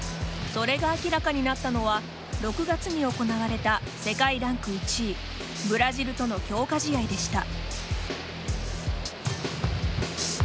それが明らかになったのは６月に行われた世界ランク１位ブラジルとの強化試合でした。